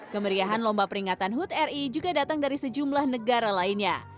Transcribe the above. kemeriahan lomba peringatan hut ri juga datang dari sejumlah negara lainnya